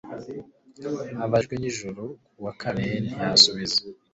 Abajijwe nijoro ku wa kane ntiyasubiza